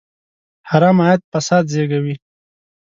حرام عاید فساد زېږوي.